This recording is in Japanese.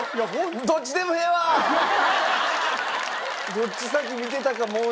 どっち先見てたかもうええわ。